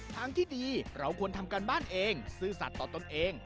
ทางที่ดีเราควรทำการบ้านเองซื่อสัตว์ต่อตนเอง